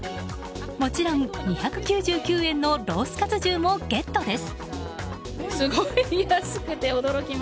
もちろん２９９円のロースカツ重もゲットです。